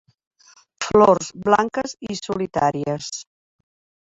Flors blanques i solitàries.